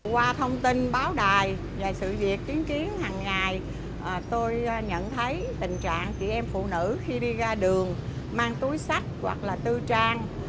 qua thông tin báo đài về sự việc chứng kiến hàng ngày tôi nhận thấy tình trạng chị em phụ nữ khi đi ra đường mang túi sách hoặc là tư trang